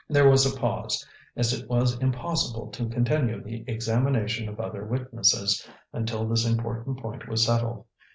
There was a pause, as it was impossible to continue the examination of other witnesses until this important point was settled.